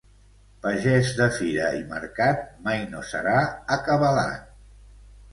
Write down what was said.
Pagès de fira i mercat mai no serà acabalat.